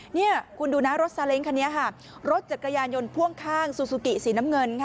นี่คุณดูนะรถซาเล้งคันนี้ค่ะรถจักรยานยนต์พ่วงข้างซูซูกิสีน้ำเงินค่ะ